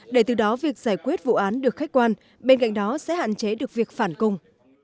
để từ đó việc giải quyết vụ án được khách quan bên cạnh đó sẽ hạn chế được việc phản cung